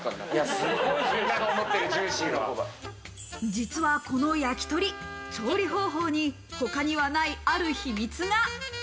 実はこの焼き鳥、調理方法に他にはないある秘密が。